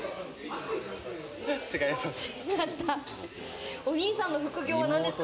違います。